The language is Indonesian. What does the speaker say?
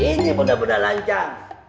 ini bener bener lancang